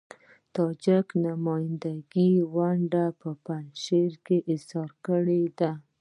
د تاجکي نمايندګۍ ونډه يې په پنجشیر کې اېسار کړې ده.